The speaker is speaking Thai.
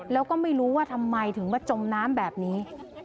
แล้วก็ไม่รู้ว่าทำไมถึงมาจมน้ำแบบนี้